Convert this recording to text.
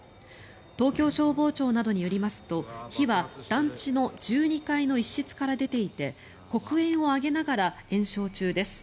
東京消防庁などによりますと火は団地の１２階の一室から出ていて黒煙を上げながら延焼中です。